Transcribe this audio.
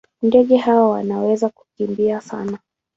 Ndege hawa wanaweza kukimbia sana.